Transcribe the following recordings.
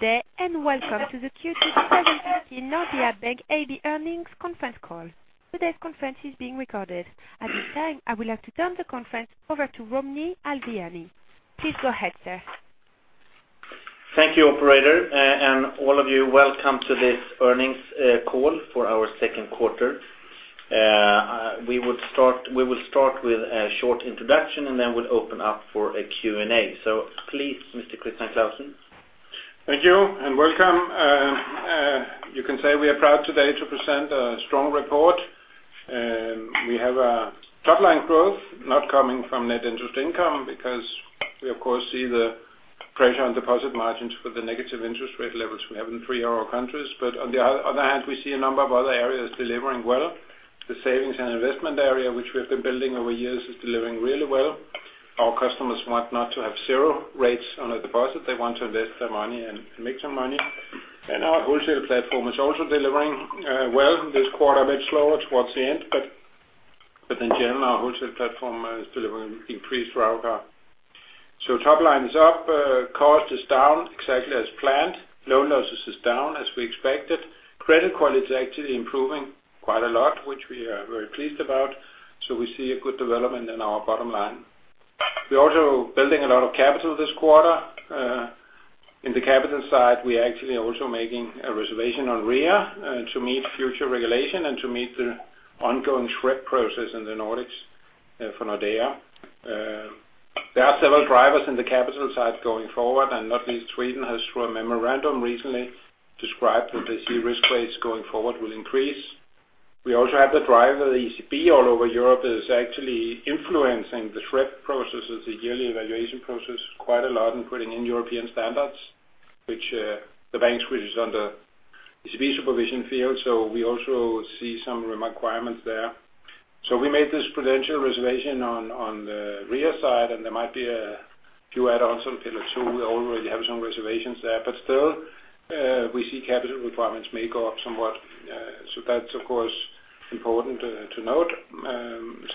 Good day, welcome to the Q2 2015 Nordea Bank Abp earnings conference call. Today's conference is being recorded. At this time, I would like to turn the conference over to Rodney Alfvén. Please go ahead, sir. Thank you, operator. All of you, welcome to this earnings call for our second quarter. We will start with a short introduction, then we'll open up for a Q&A. Please, Mr. Christian Clausen. Thank you, welcome. You can say we are proud today to present a strong report. We have a top-line growth not coming from net interest income, because we, of course, see the pressure on deposit margins with the negative interest rate levels we have in three of our countries. On the other hand, we see a number of other areas delivering well. The savings and investment area, which we have been building over years, is delivering really well. Our customers want not to have zero rates on a deposit. They want to invest their money and make some money. Our wholesale platform is also delivering well this quarter, a bit slower towards the end, but in general, our wholesale platform is delivering increased ROIC. Top-line is up, cost is down exactly as planned. Loan losses is down as we expected. Credit quality is actually improving quite a lot, which we are very pleased about. We see a good development in our bottom line. We're also building a lot of capital this quarter. In the capital side, we are actually also making a reservation on REA to meet future regulation and to meet the ongoing SREP process in the Nordics for Nordea. There are several drivers in the capital side going forward, not least Sweden has, through a memorandum recently, described that they see risk weights going forward will increase. We also have the driver, the ECB all over Europe is actually influencing the SREP processes, the yearly evaluation process quite a lot in putting in European standards, which the banks which is under ECB supervision feel. We also see some requirements there. We made this prudential reservation on the REA side, and there might be a few add-ons on Pillar 2. We already have some reservations there, but still, we see capital requirements may go up somewhat. That's of course important to note.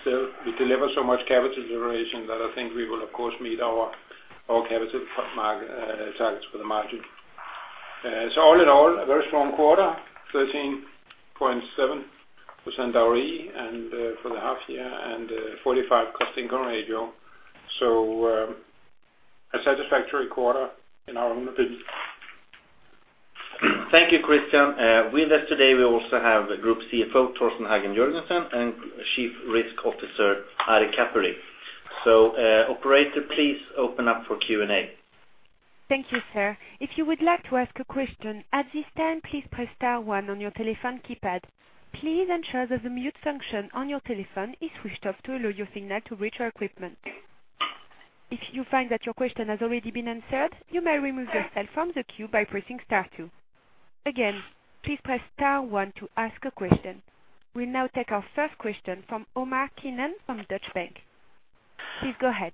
Still, we deliver so much capital generation that I think we will of course meet our capital targets for the margin. All in all, a very strong quarter, 13.7% ROE for the half year and 45% cost-income ratio. A satisfactory quarter in our opinion. Thank you, Christian. With us today we also have Group CFO, Torsten Hagen Jørgensen, and Chief Risk Officer, Ari Kaperi. Operator, please open up for Q&A. Thank you, sir. If you would like to ask a question at this time, please press star 1 on your telephone keypad. Please ensure that the mute function on your telephone is switched off to allow your signal to reach our equipment. If you find that your question has already been answered, you may remove yourself from the queue by pressing star 2. Again, please press star 1 to ask a question. We'll now take our first question from Omar Keenan from Deutsche Bank. Please go ahead.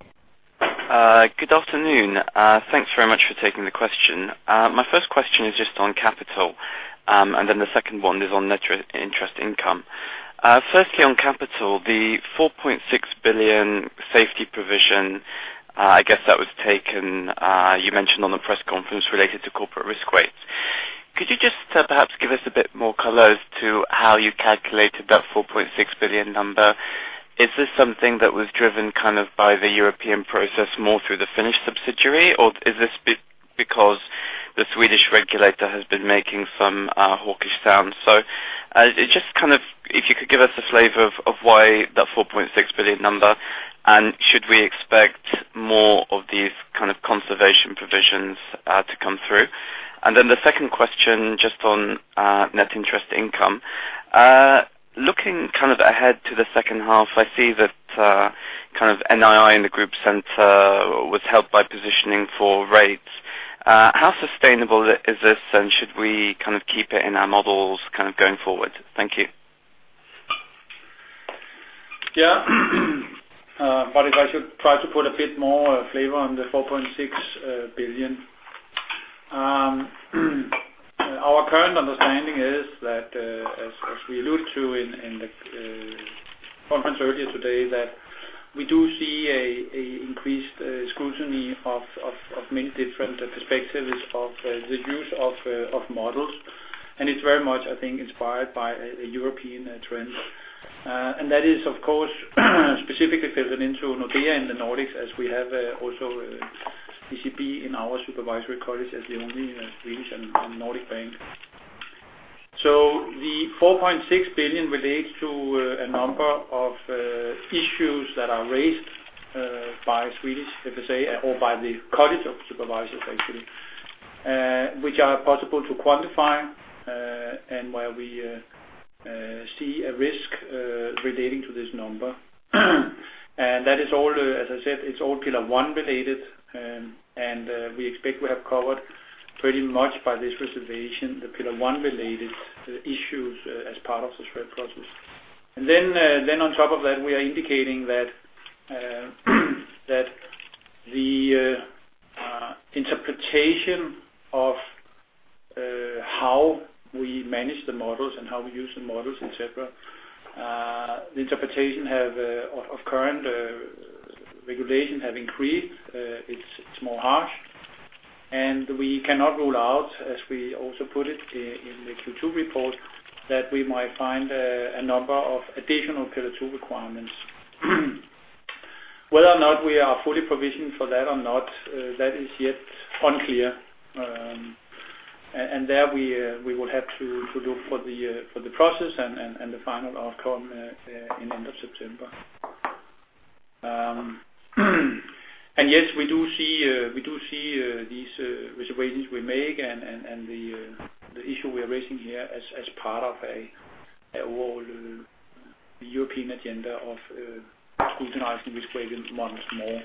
Good afternoon. Thanks very much for taking the question. My first question is just on capital, then the second one is on net interest income. Firstly, on capital, the 4.6 billion safety provision, I guess that was taken, you mentioned on the press conference related to corporate risk weights. Could you just perhaps give us a bit more color as to how you calculated that 4.6 billion number? Is this something that was driven by the European process more through the Finnish subsidiary, or is this because the Swedish regulator has been making some hawkish sounds? If you could give us a flavor of why the 4.6 billion number, and should we expect more of these kind of conservation provisions to come through? Then the second question, just on net interest income. Looking ahead to the second half, I see that NII in the group center was helped by positioning for rates. How sustainable is this, and should we keep it in our models going forward? Thank you. If I should try to put a bit more flavor on the 4.6 billion, our current understanding is that, as we allude to in the conference earlier today, that we do see increased scrutiny of many different perspectives of the use of models, it's very much, I think, inspired by a European trend. That is, of course, specifically relevant to Nordea in the Nordics, as we have also ECB in our Supervisory College as the only Swedish and Nordic bank. The 4.6 billion relates to a number of issues that are raised by Swedish FSA or by the College of Supervisors, actually, which are possible to quantify, where we see a risk relating to this number. That is all, as I said, it's all Pillar 1 related, and we expect we have covered pretty much by this reservation the Pillar 1 related issues as part of the SREP process. On top of that, we are indicating that the interpretation of how we manage the models and how we use the models, et cetera, the interpretation of current Regulations have increased. It's more harsh, we cannot rule out, as we also put it in the Q2 report, that we might find a number of additional Pillar 2 requirements. Whether or not we are fully provisioned for that or not, that is yet unclear. There we will have to look for the process and the final outcome in end of September. Yes, we do see these reservations we make and the issue we are raising here as part of an overall European agenda of scrutinizing risk ratings much more.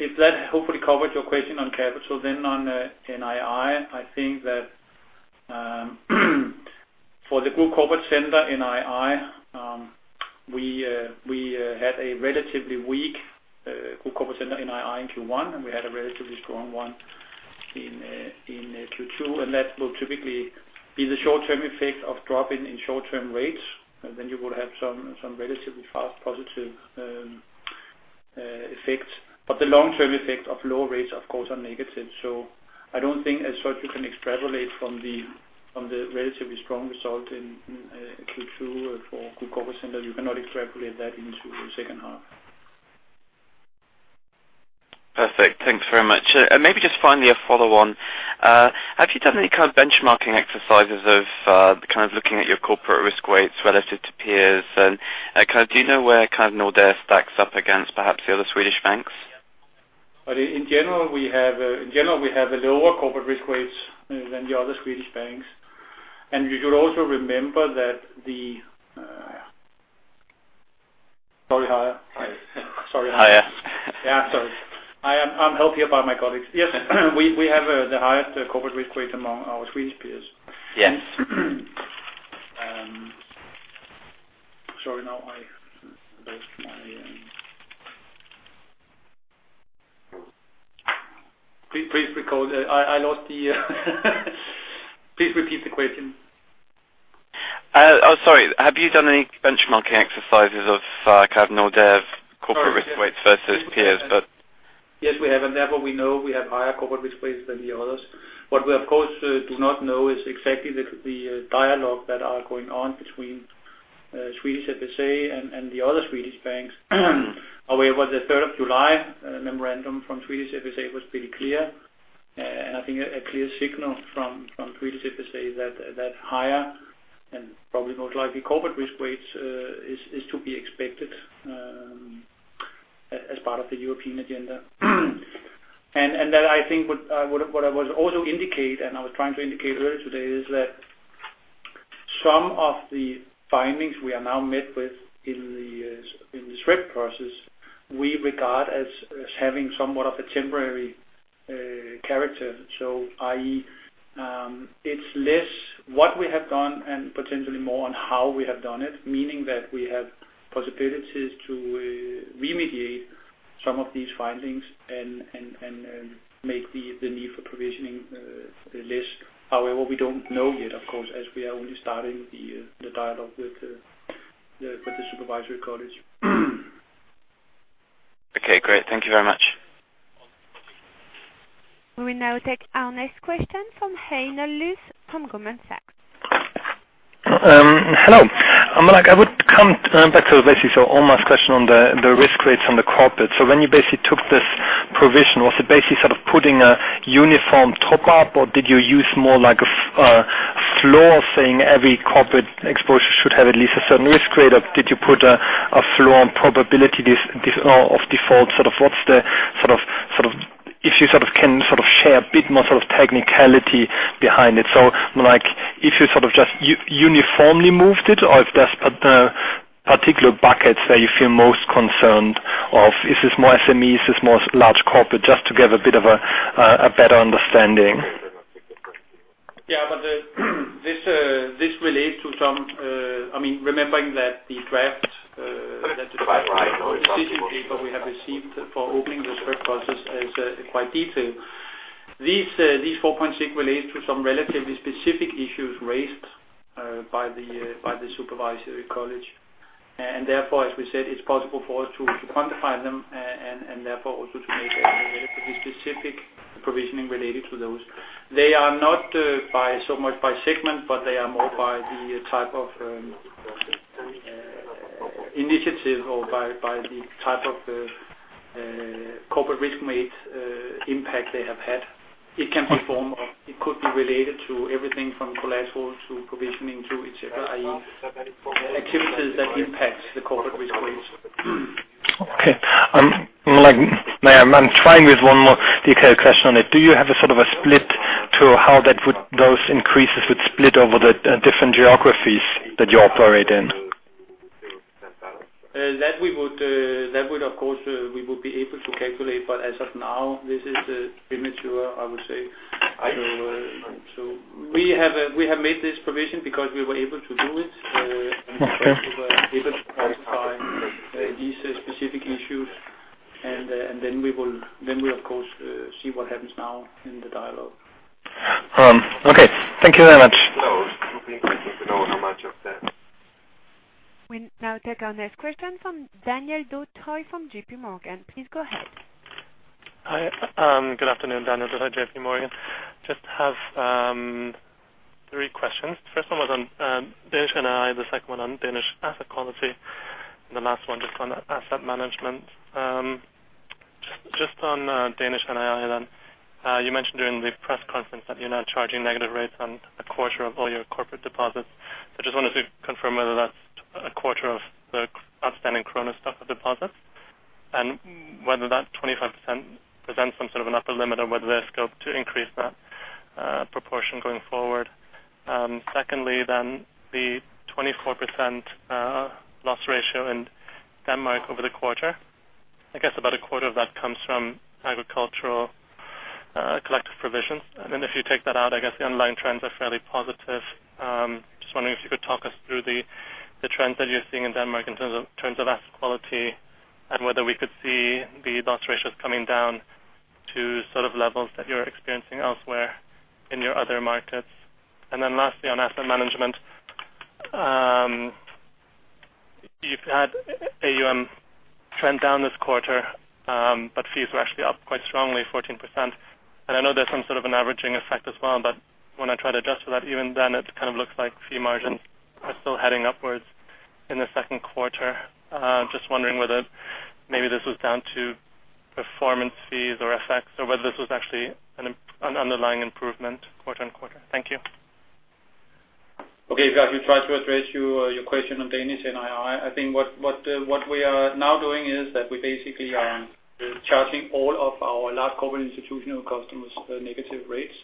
If that hopefully covered your question on capital, on NII, I think that for the group corporate center NII, we had a relatively weak group corporate center NII in Q1, we had a relatively strong one in Q2, that will typically be the short-term effect of dropping in short-term rates. You would have some relatively fast positive effects. The long-term effects of low rates, of course, are negative. I don't think, as such, you can extrapolate from the relatively strong result in Q2 for group corporate centers. You cannot extrapolate that into the second half. Perfect. Thanks very much. Maybe just finally a follow-on. Have you done any kind of benchmarking exercises of looking at your corporate risk weights relative to peers, and do you know where Nordea stacks up against perhaps the other Swedish banks? In general, we have lower corporate risk weights than the other Swedish banks. Probably higher. Higher. Yeah, sorry. I'm helped here by my colleagues. Yes, we have the highest corporate risk weight among our Swedish peers. Yes. Sorry, now I lost my, please recall. I lost the, please repeat the question. Oh, sorry. Have you done any benchmarking exercises of Nordea's- Sorry, yes. corporate risk weights versus peers but- Yes, we have. Therefore, we know we have higher corporate risk weights than the others. What we, of course, do not know is exactly the dialogue that are going on between Swedish FSA and the other Swedish banks. The 3rd of July memorandum from Swedish FSA was pretty clear. I think a clear signal from Swedish FSA is that higher, and probably most likely, corporate risk weights is to be expected as part of the European agenda. I think what I would also indicate, and I was trying to indicate earlier today, is that some of the findings we are now met with in the SREP process, we regard as having somewhat of a temporary character. I.e., it's less what we have done and potentially more on how we have done it, meaning that we have possibilities to remediate some of these findings and make the need for provisioning less. We don't know yet, of course, as we are only starting the dialogue with the Supervisory College. Great. Thank you very much. We will now take our next question from Heino Lüs from Goldman Sachs. Hello. I would come back to basically Omar's question on the risk weights on the corporate. When you basically took this provision, was it basically sort of putting a uniform top-up, or did you use more like a floor saying every corporate exposure should have at least a certain risk weight, or did you put a floor on probability of default? If you can share a bit more technicality behind it. If you just uniformly moved it, or if there's particular buckets that you feel most concerned of. Is this more SMEs? Is this more large corporate? Just to give a bit of a better understanding. Yeah. Right decision paper we have received for opening the SREP process is quite detailed. These 4.6 relates to some relatively specific issues raised by the Supervisory College. Therefore, as we said, it's possible for us to quantify them and therefore also to make a specific provisioning related to those. They are not so much by segment, but they are more by the type of initiative or by the type of corporate risk-weight impact they have had. It could be related to everything from collateral to provisioning to et cetera, i.e., activities that impact the corporate risk weights. Okay. I'm trying with one more detailed question on it. Do you have a sort of a split to how those increases would split over the different geographies that you operate in? That would, of course, we would be able to calculate, but as of now, this is premature, I would say. We have made this provision because we were able to do it. Okay Because we were able to quantify these specific issues, then we will of course see what happens now in the dialogue. Okay. Thank you very much. I think we can go on to the next one. We now take our next question from Kian Abouhossein from JP Morgan. Please go ahead. Hi. Good afternoon. Kian Abouhossein, JP Morgan. Just have three questions. First one was on Danish NII, the second one on Danish asset quality, and the last one just on asset management. Just on Danish NII, you mentioned during the press conference that you're now charging negative rates on a quarter of all your corporate deposits. I just wanted to confirm whether that's a quarter of the outstanding kroner stock of deposits, and whether that 25% presents some sort of an upper limit or whether there's scope to increase that proportion going forward. Secondly, the 24% loss ratio in Denmark over the quarter. I guess about a quarter of that comes from agricultural collective provisions. If you take that out, I guess the underlying trends are fairly positive. Just wondering if you could talk us through the trends that you're seeing in Denmark in terms of asset quality, and whether we could see the loss ratios coming down to levels that you're experiencing elsewhere in your other markets. Lastly, on asset management. You've had AUM trend down this quarter, but fees were actually up quite strongly, 14%. I know there's some sort of an averaging effect as well, but when I try to adjust for that, even then, it looks like fee margins are still heading upwards in the second quarter. Just wondering whether maybe this was down to performance fees or effects, or whether this was actually an underlying improvement quarter on quarter. Thank you. Okay. If I could try to address your question on Danish NII. I think what we are now doing is that we basically are charging all of our large corporate institutional customers negative rates.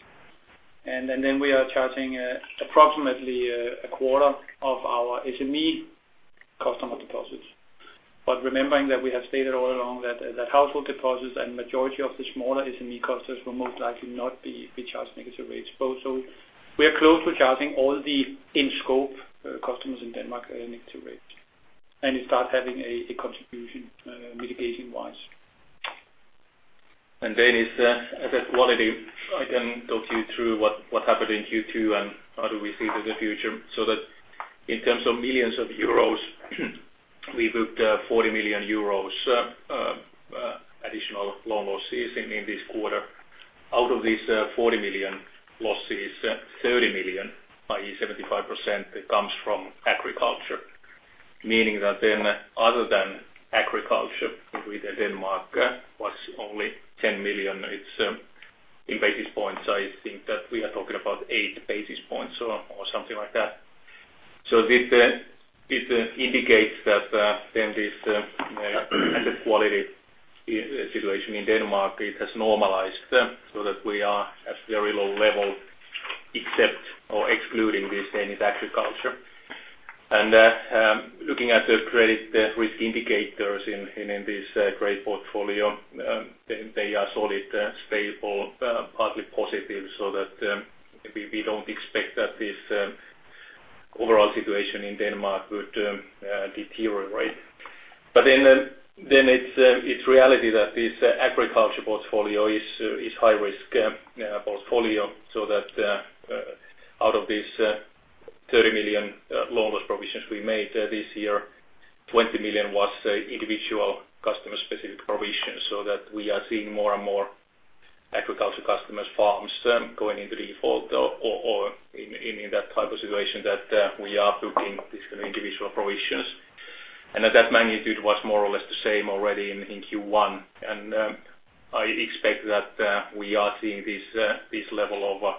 We are charging approximately a quarter of our SME customer deposits. Remembering that we have stated all along that household deposits and majority of the smaller SME customers will most likely not be charged negative rates. We are close to charging all the in-scope customers in Denmark negative rates, and it starts having a contribution, mitigation-wise. It's asset quality. I can talk you through what happened in Q2 and how do we see the future. In terms of millions of euros, we booked 40 million euros additional loan losses in this quarter. Out of these 40 million losses, 30 million, i.e., 75%, comes from agriculture. Meaning that other than agriculture within Denmark was only 10 million. It's in basis points, I think that we are talking about eight basis points or something like that. This indicates that this asset quality situation in Denmark, it has normalized, so that we are at very low level, except or excluding this Danish agriculture. Looking at the credit risk indicators in this grade portfolio, they are solid, stable, partly positive, so that we don't expect that this overall situation in Denmark would deteriorate. It's reality that this agriculture portfolio is high-risk portfolio, so that out of this 30 million loan loss provisions we made this year, 20 million was individual customer-specific provisions. We are seeing more and more agriculture customers, farms going into default or in that type of situation that we are booking these individual provisions. That magnitude was more or less the same already in Q1. I expect that we are seeing this level of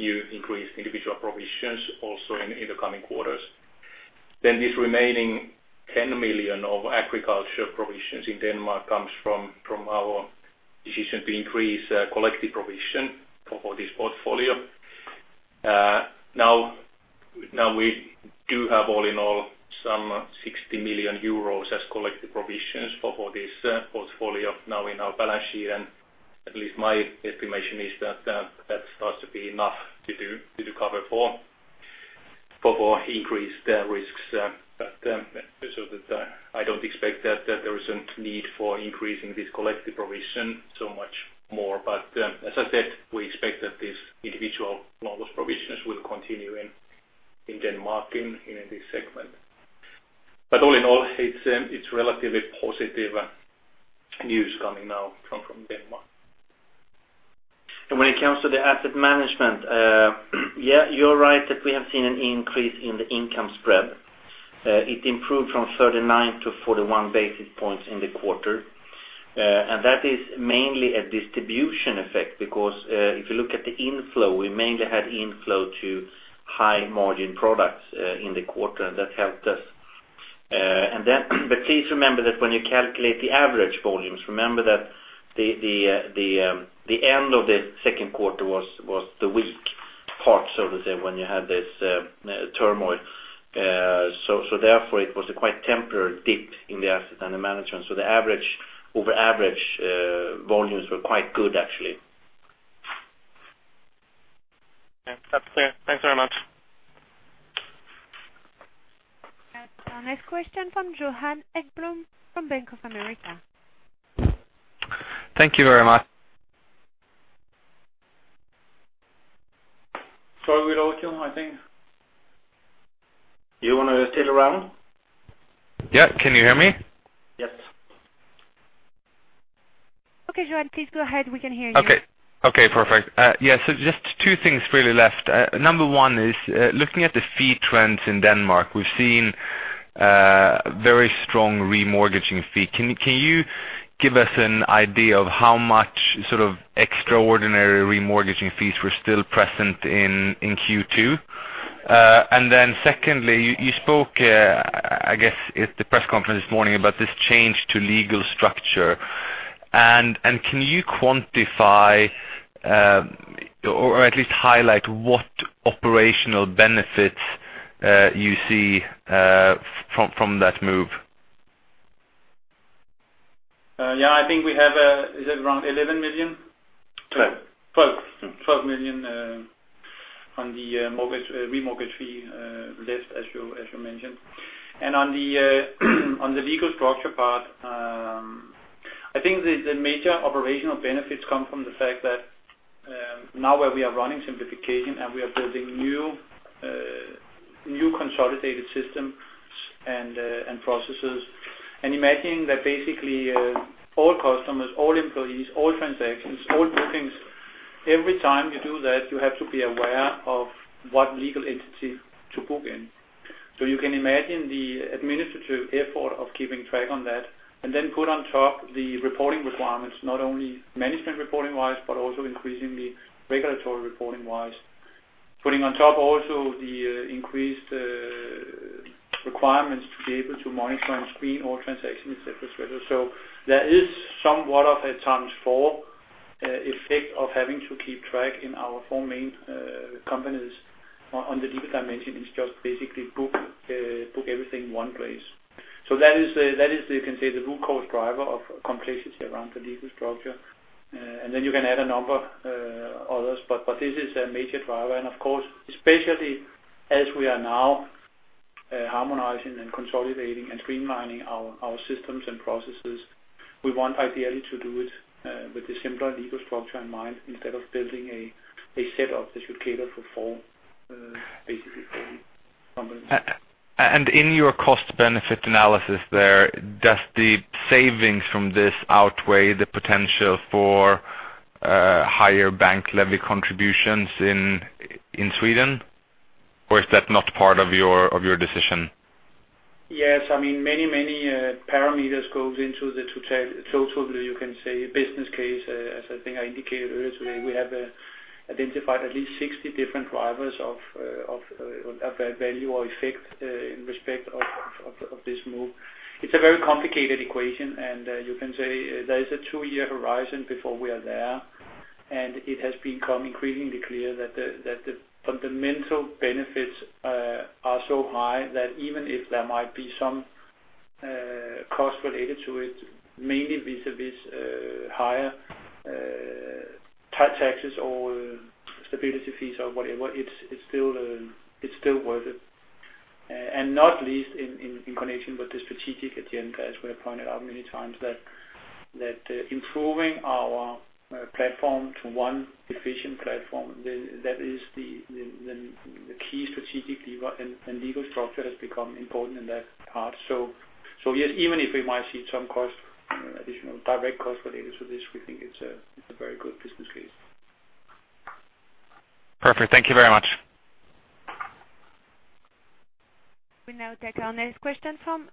new increased individual provisions also in the coming quarters. This remaining 10 million of agriculture provisions in Denmark comes from our decision to increase collective provision for this portfolio. We do have all in all some 60 million euros as collective provisions for this portfolio now in our balance sheet, at least my estimation is that that starts to be enough to do cover for increased risks. I don't expect that there is a need for increasing this collective provision so much more. As I said, we expect that these individual loan loss provisions will continue in Denmark in this segment. All in all, it's relatively positive news coming now from Denmark. When it comes to the asset management, you're right that we have seen an increase in the income spread. It improved from 39 to 41 basis points in the quarter. That is mainly a distribution effect because if you look at the inflow, we mainly had inflow to high-margin products in the quarter, and that helped us. Please remember that when you calculate the average volumes, remember that the end of the second quarter was the weak part, so to say, when you had this turmoil. Therefore it was a quite temporary dip in the asset under management. The average over average volumes were quite good, actually. Yeah. That's clear. Thanks very much. Our next question from Johan Ekblom from Bank of America. Thank you very much. Sorry, we lost you, I think. You want to stick around? Yeah. Can you hear me? Yes. Okay, Johan, please go ahead. We can hear you. Okay, perfect. Yeah. Just two things really left. Number 1 is, looking at the fee trends in Denmark. We've seen very strong remortgaging fee. Can you give us an idea of how much extraordinary remortgaging fees were still present in Q2? Secondly, you spoke, I guess at the press conference this morning, about this change to legal structure. Can you quantify or at least highlight what operational benefits you see from that move? Yeah. I think we have, is it around 11 million? 12. 12 million on the remortgage fee list as you mentioned. On the legal structure part, I think the major operational benefits come from the fact that now where we are running simplification and we are building new consolidated systems and processes. Imagine that basically, all customers, all employees, all transactions, all bookings, every time you do that, you have to be aware of what legal entity to book in. You can imagine the administrative effort of keeping track on that, then put on top the reporting requirements, not only management reporting wise, but also increasingly regulatory reporting wise. Putting on top also the increased requirements to be able to monitor and screen all transactions, et cetera. There is somewhat of a times four effect of having to keep track in our four main companies on the legal dimension is just basically book everything one place. That is, you can say the root cause driver of complexity around the legal structure. Then you can add a number others, but this is a major driver and of course, especially as we are now harmonizing and consolidating and streamlining our systems and processes, we want ideally to do it with the simpler legal structure in mind instead of building a set up that should cater for four companies. In your cost benefit analysis there, does the savings from this outweigh the potential for higher bank levy contributions in Sweden? Or is that not part of your decision? Yes. Many parameters goes into the total, you can say business case, as I think I indicated earlier today. We have identified at least 60 different drivers of value or effect in respect of this move. It's a very complicated equation, you can say there is a two-year horizon before we are there, it has become increasingly clear that the fundamental benefits are so high that even if there might be some cost related to it, mainly vis-a-vis higher taxes or stability fees or whatever, it's still worth it. Not least in connection with the strategic agenda, as we have pointed out many times, that improving our platform to one efficient platform, that is the key strategic lever, and legal structure has become important in that part. Yes, even if we might see some additional direct cost related to this, we think it's a very good business case. Perfect. Thank you very much. We'll now take our next question from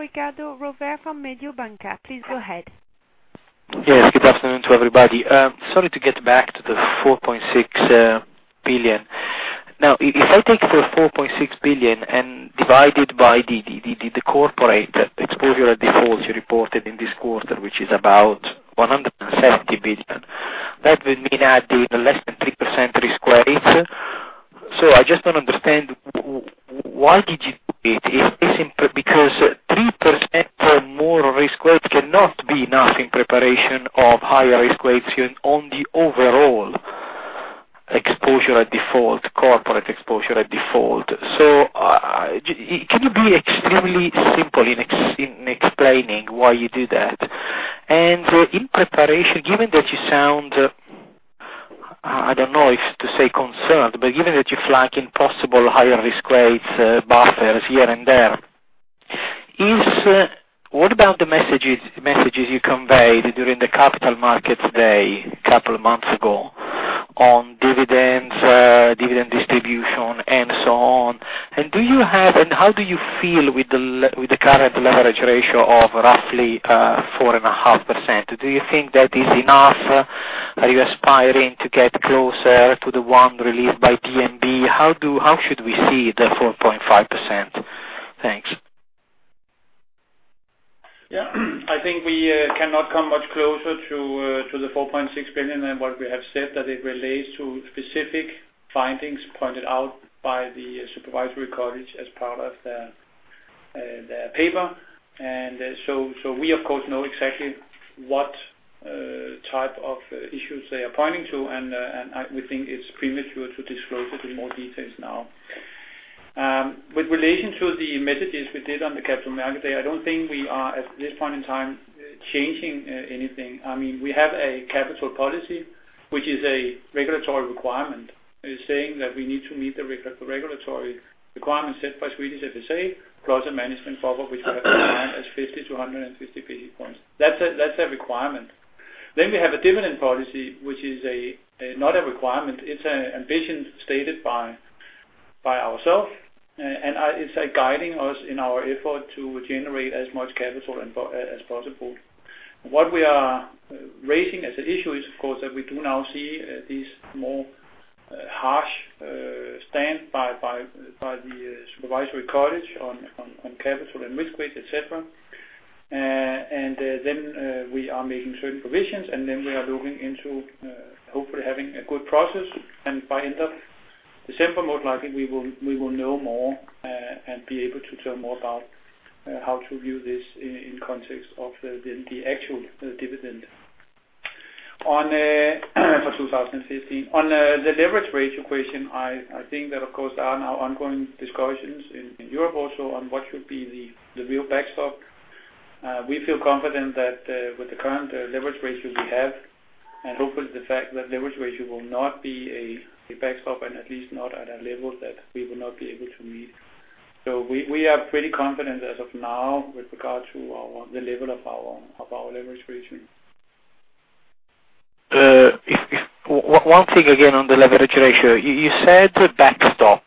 Riccardo Rovere from Mediobanca. Please go ahead. Good afternoon to everybody. Sorry to get back to the 4.6 billion. If I take the 4.6 billion and divide it by the corporate exposure defaults you reported in this quarter, which is about 170 billion, that would mean adding less than 3% risk weights. I just don't understand why did you do it? Is it because 3% or more risk weight cannot be enough in preparation of higher risk weights on the overall exposure at default, corporate exposure at default. Can you be extremely simple in explaining why you do that? In preparation, given that you sound, I don't know if to say concerned, but given that you flag in possible higher risk weights buffers here and there, what about the messages you conveyed during the Capital Markets Day a couple of months ago on dividends, dividend distribution, and so on? How do you feel with the current leverage ratio of roughly 4.5%? Do you think that is enough? Are you aspiring to get closer to the one relieved by DNB? How should we see the 4.5%? Thanks. I think we cannot come much closer to the 4.6 billion than what we have said that it relates to specific findings pointed out by the Supervisory College as part of the paper. We of course know exactly what type of issues they are pointing to, and we think it's premature to disclose it in more details now. With relation to the messages we did on the Capital Markets Day, I don't think we are, at this point in time, changing anything. We have a capital policy, which is a regulatory requirement, saying that we need to meet the regulatory requirements set by Swedish FSA plus a management buffer, which we have defined as 50-150 basis points. That's a requirement. We have a dividend policy, which is not a requirement. It's an ambition stated by ourselves, it's guiding us in our effort to generate as much capital as possible. What we are raising as an issue is, of course, that we do now see this more harsh stand by the Supervisory College on capital and risk weights, et cetera. Then we are making certain provisions, then we are looking into hopefully having a good process. By end of December, most likely, we will know more and be able to tell more about how to view this in context of the actual dividend for 2015. On the leverage ratio question, I think that, of course, there are now ongoing discussions in Europe also on what should be the real backstop. We feel confident that with the current leverage ratio we have, hopefully the fact that leverage ratio will not be a backstop, at least not at a level that we will not be able to meet. We are pretty confident as of now with regard to the level of our leverage ratio. One thing again on the leverage ratio. You said backstop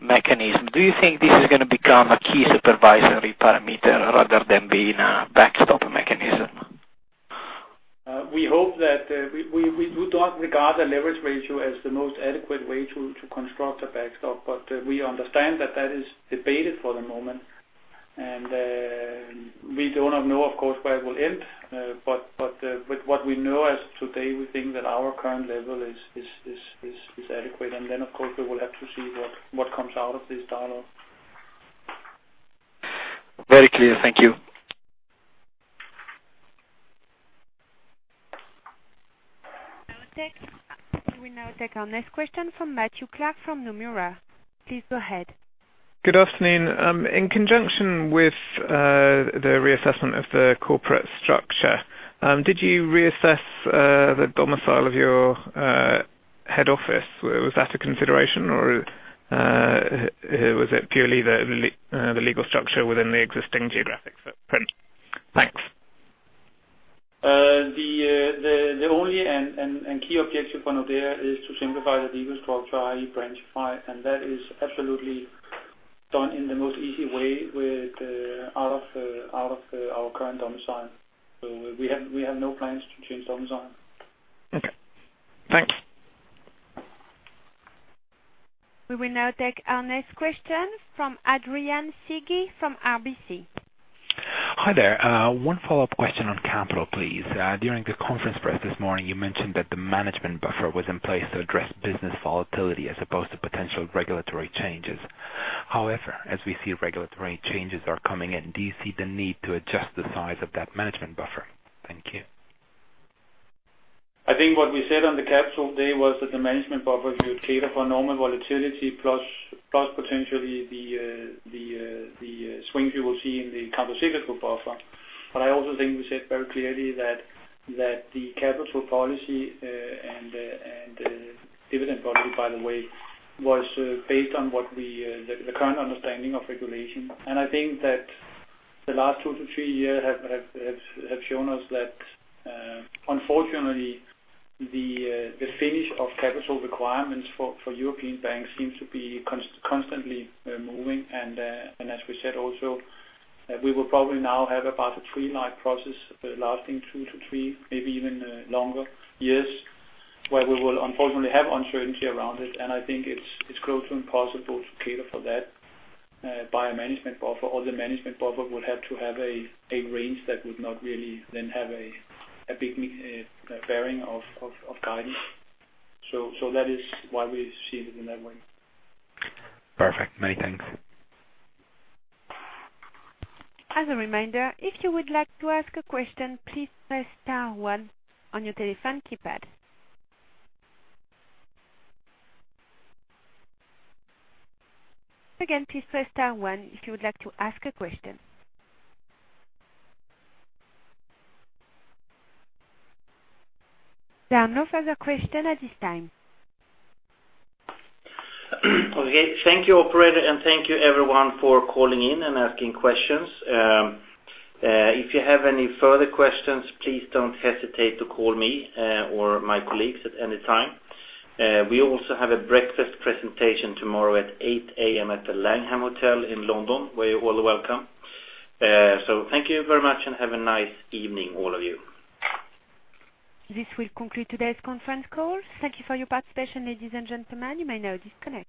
mechanism. Do you think this is going to become a key supervisory parameter rather than being a backstop mechanism? We do not regard the leverage ratio as the most adequate way to construct a backstop, we understand that that is debated for the moment. We do not know, of course, where it will end, but what we know as today, we think that our current level is adequate. Then, of course, we will have to see what comes out of this dialogue. Very clear. Thank you. We will now take our next question from Matthew Clark from Nomura. Please go ahead. Good afternoon. In conjunction with the reassessment of the corporate structure, did you reassess the domicile of your head office? Was that a consideration, or was it purely the legal structure within the existing geographic footprint? Thanks. The only and key objective on Nordea is to simplify the legal structure, i.e., branchify, and that is absolutely done in the most easy way out of our current domicile. We have no plans to change domicile. Okay. Thank you. We will now take our next question from Adrian Cighi from RBC. Hi there. One follow-up question on capital, please. During the conference press this morning, you mentioned that the management buffer was in place to address business volatility as opposed to potential regulatory changes. As we see regulatory changes are coming in, do you see the need to adjust the size of that management buffer? Thank you. I think what we said on the Capital Markets Day was that the management buffer should cater for normal volatility plus potentially the swings you will see in the countercyclical capital buffer. I also think we said very clearly that the capital policy and the dividend policy, by the way, was based on the current understanding of regulation. I think that the last two to three years have shown us that, unfortunately, the finish of capital requirements for European banks seems to be constantly moving. As we said also, we will probably now have about a three-line process lasting two to three, maybe even longer years, where we will unfortunately have uncertainty around it. I think it's close to impossible to cater for that by a management buffer, or the management buffer would have to have a range that would not really then have a big bearing of guidance. That is why we see it in that way. Perfect. Many thanks. As a reminder, if you would like to ask a question, please press star one on your telephone keypad. Again, please press star one if you would like to ask a question. There are no further question at this time. Okay. Thank you, operator. Thank you everyone for calling in and asking questions. If you have any further questions, please don't hesitate to call me or my colleagues at any time. We also have a breakfast presentation tomorrow at 8:00 A.M. at the Langham Hotel in London, where you're all welcome. Thank you very much and have a nice evening, all of you. This will conclude today's conference call. Thank you for your participation, ladies and gentlemen. You may now disconnect.